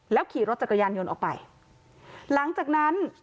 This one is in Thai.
ขี่รถจักรยานยนต์ออกไปหลังจากนั้น